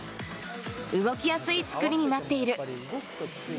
動きやすい作りになっている。